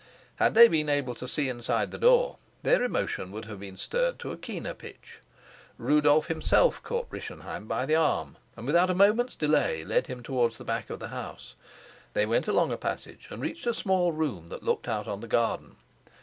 Had they been able to see inside the door, their emotion would have been stirred to a keener pitch. Rudolf himself caught Rischenheim by the arm, and without a moment's delay led him towards the back of the house. They went along a passage and reached a small room that looked out on the garden.